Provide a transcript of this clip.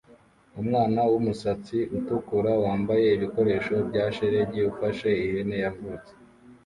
Umwana wumusatsi utukura wambaye ibikoresho bya shelegi ufashe ihene yavutse